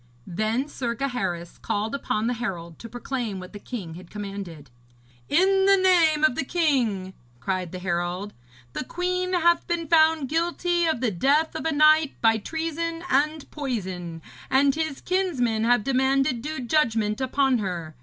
Then Sir Gaheris called upon the herald to proclaim what the king had commanded. 'In the name of the king,' cried the herald, 'the queen hath been found guilty of the death of a knight by treason and poison, and his kinsmen have demanded due judgment upon her.